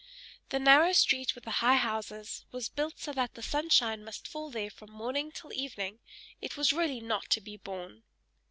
The narrow street with the high houses, was built so that the sunshine must fall there from morning till evening it was really not to be borne.